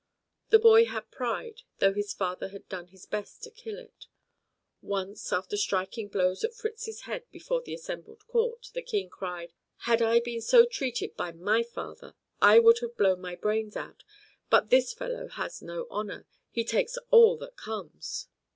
The boy had pride, though his father had done his best to kill it. Once, after striking blows at Fritz's head before the assembled court, the King cried, "Had I been so treated by my father, I would have blown my brains out. But this fellow has no honor. He takes all that comes."